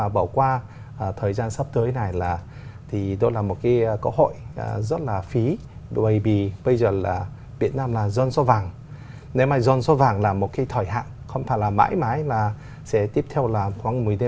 và hợp tác và hợp tác